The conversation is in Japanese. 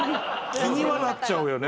気にはなっちゃうよね。